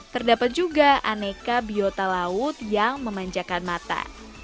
terdapat juga aneka biota laut yang memanjakan mata